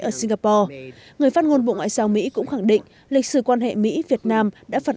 ở singapore người phát ngôn bộ ngoại giao mỹ cũng khẳng định lịch sử quan hệ mỹ việt nam đã phản